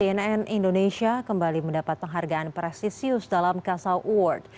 cnn indonesia kembali mendapat penghargaan prestisius dalam kasa award